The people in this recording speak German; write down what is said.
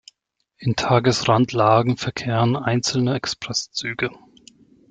In Tagesrandlagen verkehren einzelne Expresszüge.